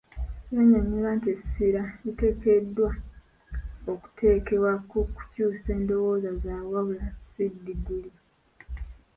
Yannyonyola nti essira liteekeddwa okuteekebwa ku kukyuusa endowooza zaabwe wabula si ddiguli..